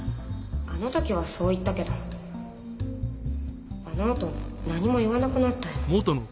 あのときはそう言ったけどあのあと何も言わなくなったよ